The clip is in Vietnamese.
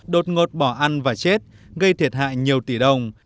đột ngột bỏ ăn và chết gây thiệt hại nhiều tỷ đồng